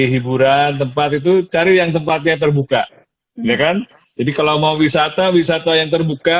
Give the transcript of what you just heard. hiburan tempat itu cari yang tempatnya terbuka ya kan jadi kalau mau wisata wisata yang terbuka